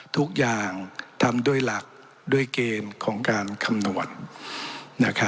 ทุกอย่างทำด้วยหลักด้วยเกมของการคำนวณ